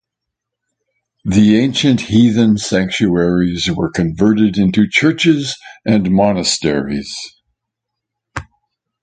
The ancient heathen sanctuaries were converted into churches and monasteries.